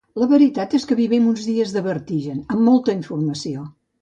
La veritat és que vivim uns dies de vertigen, amb molta informació.